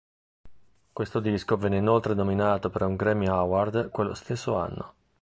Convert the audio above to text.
Questo disco venne inoltre nominato per un Grammy Award quello stesso anno.